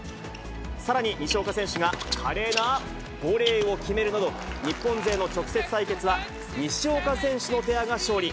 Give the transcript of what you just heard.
さらに西岡選手が華麗なボレーを決めるなど、日本勢の直接対決は西岡選手のペアが勝利。